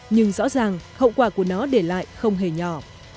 nhưng rõ ràng hậu quả của nó để lại không hề nhỏ